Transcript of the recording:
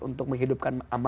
untuk menghidupkan makanannya